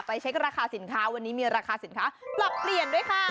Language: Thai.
เช็คราคาสินค้าวันนี้มีราคาสินค้าปรับเปลี่ยนด้วยค่ะ